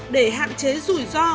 để hạn chế rủi ro